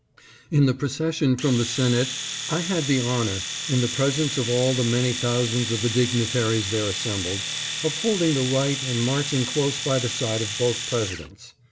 In the procession from the Senate I had the honor, in the presence of all the many thousands of the dignitaries there assembled, of holding the right and marching close by the side of both Presi dents.